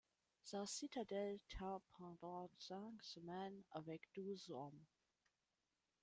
Sa citadelle tint pendant cinq semaines avec douze hommes.